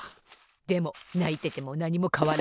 でもないててもなにもかわらない！